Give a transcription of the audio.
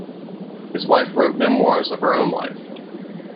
His wife wrote memoirs of her own life.